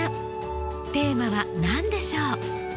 テーマは何でしょう？